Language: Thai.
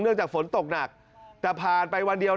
จากฝนตกหนักแต่ผ่านไปวันเดียว